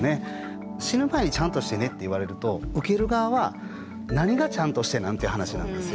死ぬ前に「ちゃんとしてね」って言われると受ける側は何がちゃんとしてなん？っていう話なんですよ。